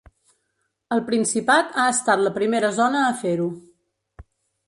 El Principat ha estat la primera zona a fer-ho.